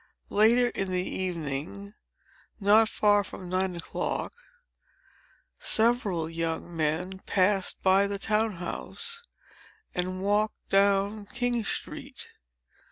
Later in the evening, not far from nine o'clock, several young men passed by the town house, and walked down King Street.